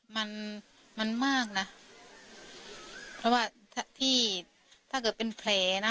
มันมันมากน่ะเพราะว่าที่ถ้าเกิดเป็นแผลนะ